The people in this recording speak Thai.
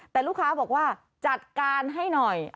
แต่ลูกค้าบอกว่าจัดการให้หน่อย